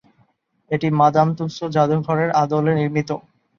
এটি Madame Tussaud জাদুঘরের আদলে নির্মিত।